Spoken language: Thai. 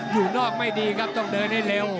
อยู่นอกไม่ดีครับต้องเดินให้เร็ว